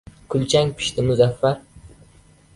Kulchang pishdi, Muzaffar!